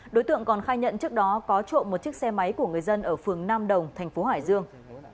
đối tượng còn khai nhận trước đó có trộm một chiếc xe máy của người dân ở phường nam đồng thành phố hải dương